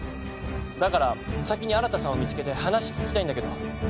だから先に新さんを見つけて話聞きたいんだけど。